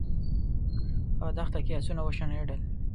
په دښته کې آسونه وشڼېدل.